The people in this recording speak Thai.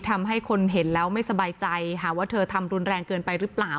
ทำให้คนเห็นแล้วไม่สบายใจหาว่าเธอทำรุนแรงเกินไปหรือเปล่า